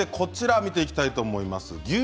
こちらを見ていきたいと思います。